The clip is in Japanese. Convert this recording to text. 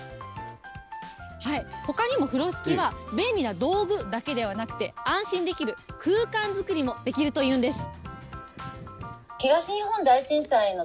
ほかにも風呂敷は、便利な道具だけではなくて、安心できる空間作りもできるというんです。